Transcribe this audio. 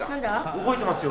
動いてますよ。